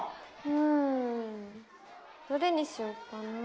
うんどれにしようかなあ。